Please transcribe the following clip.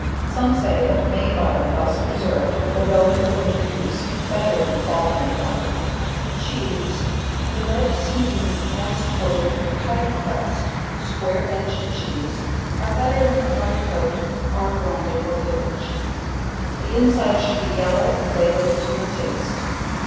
Some say that May butter thus preserved, will go into the winter use, better than fall made butter. Cheese The red smooth moist coated, and tight pressed, square edged Cheese, are better than white coat, hard rinded, or bilged; the inside should be yellow, and flavored to your taste.